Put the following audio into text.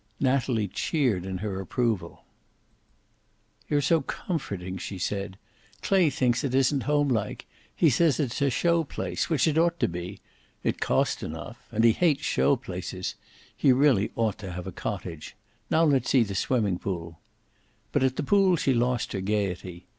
Natalie cheered in her approval. "You're so comforting," she said. "Clay thinks it isn't homelike. He says it's a show place which it ought to be. It cost enough and he hates show places. He really ought to have a cottage. Now let's see the swimming pool." But at the pool she lost her gayety.